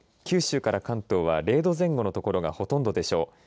九州から関東は０度前後の所がほとんどでしょう。